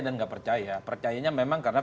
dan gak percaya percayanya memang karena